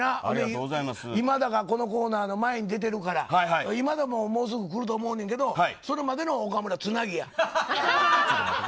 岡村やということでな今田がこのコーナーの前に出ているから今田ももうすぐ来ると思うねんけどそれまでの、岡村つなぎや。